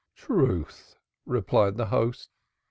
"Truth," replied the host.